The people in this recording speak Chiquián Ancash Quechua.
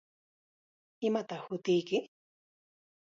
¿Imataq hutiyki?